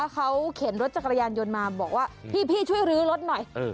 เขาเข็นรถจักรยานยนต์มาบอกว่าพี่ช่วยลื้อรถหน่อย